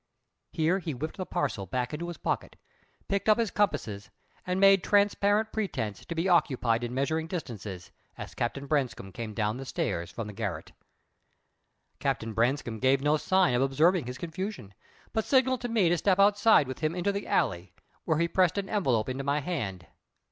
Here he whipped the parcel back into his pocket, picked up his compasses, and made transparent pretence to be occupied in measuring distances as Captain Branscome came down the stairs from the garret. Captain Branscome gave no sign of observing his confusion, but signalled to me to step outside with him into the alley, where he pressed an envelope into my hand.